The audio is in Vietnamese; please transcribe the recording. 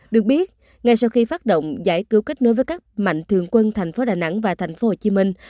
được biết ngay sau khi phát động giải cứu kết nối với các mạnh thường quân thành phố đà nẵng và thành phố hồ chí minh